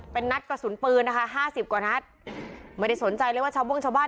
เป็นนัดกระสุนปืนนะคะห้าสิบกว่านัดไม่ได้สนใจเลยว่าชาวโบ้งชาวบ้าน